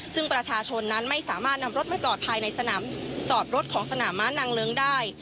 ซึ่งประชาชนนั้นไม่สามารถนำรถมาจอดภายในสนามจอดรถของสนามม้านางเลิ้งได้